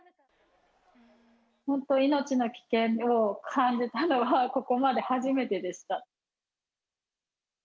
本当命の危険を感じたのは、ここまで初めてでした。